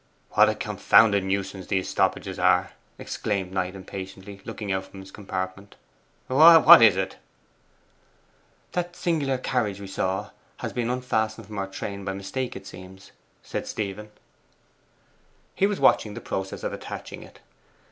'What a confounded nuisance these stoppages are!' exclaimed Knight impatiently, looking out from his compartment. 'What is it?' 'That singular carriage we saw has been unfastened from our train by mistake, it seems,' said Stephen. He was watching the process of attaching it.